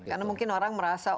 karena mungkin orang merasa